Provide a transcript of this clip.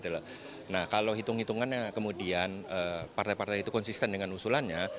nah kalau hitung hitungannya kemudian partai partai itu konsisten dengan usulannya